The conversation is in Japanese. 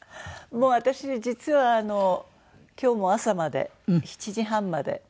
もう私実は今日も朝まで７時半まで。